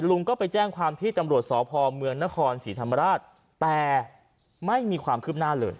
ลุงก็ไปแจ้งความที่ตำรวจสพเมืองนครศรีธรรมราชแต่ไม่มีความคืบหน้าเลย